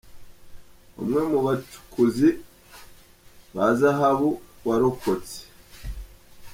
Umwe mu bacukuzi ba zahabu warokotse.